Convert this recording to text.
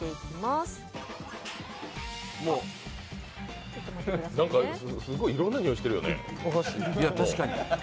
すごい、いろんな臭いしてるよね。